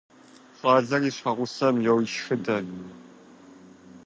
ЩӀалэр и щхьэгъусэм йошхыдэ.